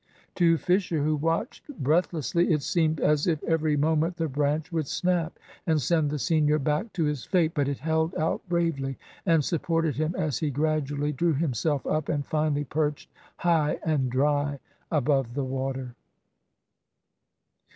To Fisher, who watched breathlessly, it seemed as if every moment the branch would snap and send the senior back to his fate. But it held out bravely and supported him as he gradually drew himself up and finally perched high and dry above the water.